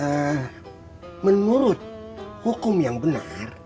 nah menurut hukum yang benar